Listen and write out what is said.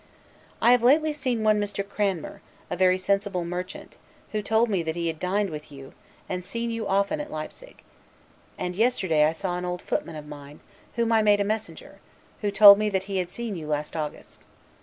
I have lately seen one Mr. Cranmer, a very sensible merchant, who told me that he had dined with you, and seen you often at Leipsig. And yesterday I saw an old footman of mine, whom I made a messenger, who told me that he had seen you last August.